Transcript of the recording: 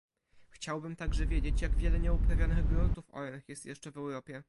Chciałbym także wiedzieć, jak wiele nieuprawianych gruntów ornych jest jeszcze w Europie